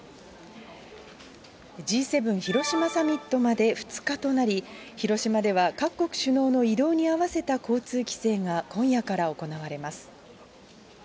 Ｇ７広島サミットまで２日となり、広島では各国首脳の移動に合わせた交通規制が今夜から行われます。